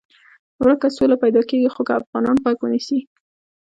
ورکه سوله پیدا کېږي خو که افغانان غوږ ونیسي.